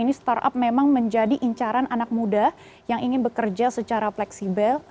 ini startup memang menjadi incaran anak muda yang ingin bekerja secara fleksibel